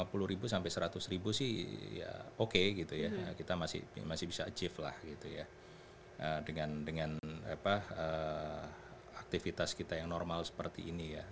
rp dua puluh ribu sampai seratus ribu sih ya oke gitu ya kita masih bisa achieve lah gitu ya dengan aktivitas kita yang normal seperti ini ya